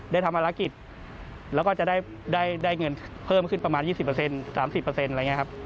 ทำภารกิจแล้วก็จะได้เงินเพิ่มขึ้นประมาณ๒๐๓๐อะไรอย่างนี้ครับ